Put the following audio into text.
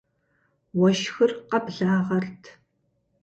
Уэшхыр къэблагъэрт.